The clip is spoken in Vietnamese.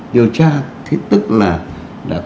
điều tra thì tức là